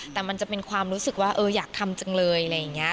แต่มันจะเป็นความรู้สึกว่าอยากทำจังเลยอะไรอย่างนี้